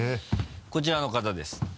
こちらの方です。